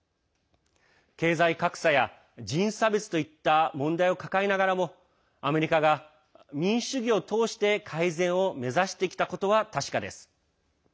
経済格差や人種差別といった問題を抱えながらもアメリカが民主主義を通して改善を目指してきたことは確かです。